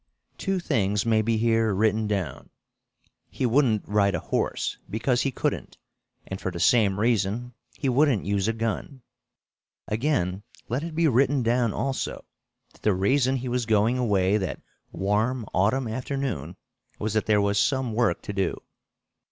Two things may be here written down. He wouldn't ride a horse because he couldn't, and for the same reason he wouldn't use a gun. Again let it be written down, also, that the reason he was going away that warm autumn afternoon was that there was some work to do.